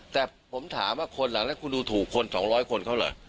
แต่ผมถามว่าคนหลังนั้นคุณดูถูกคน๒๐๐คนเขาเหรอ